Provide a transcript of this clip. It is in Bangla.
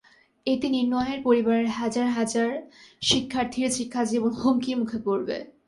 এতে নিম্নআয়ের পরিবারের হাজার হাজার শিক্ষার্থীর শিক্ষা জীবন হুমকির মুখে পড়বে।